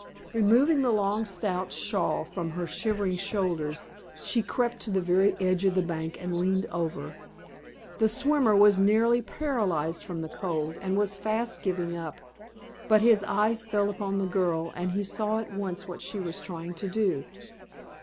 Removing the long, stout shawl from her shivering shoulders, she crept to the very edge of the bank and leaned over. The swimmer was nearly paralyzed from the cold, and was fast giving up; but his eyes fell upon the girl, and he saw at once what she was trying to do.